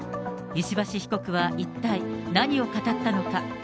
石橋被告は一体何を語ったのか。